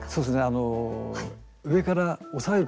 あの上から押さえる形。